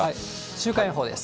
週間予報です。